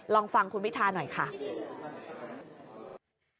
ลองฟังคุณพิทาหน่อยค่ะ